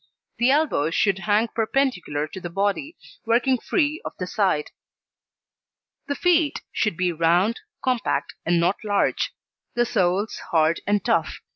The elbows should hang perpendicular to the body, working free of the side. The Feet should be round, compact, and not large. The soles hard and tough.